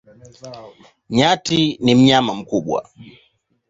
Nyati ni mnyama mkubwa.